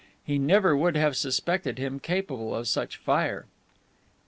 He never would have suspected him capable of such fire.)